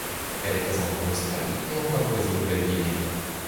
Elle est présente en Australie et en Papouasie-Nouvelle-Guinée.